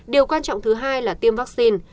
điều quan trọng thứ hai là tiêm vaccine